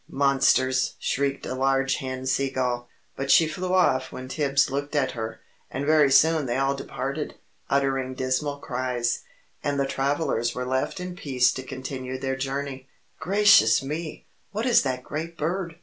"Monsters!" shrieked a large hen sea gull, but she flew off when Tibbs looked at her. And very soon they all departed, uttering dismal cries, and the travellers were left in peace to continue their journey. "Gracious me! what is that great bird?"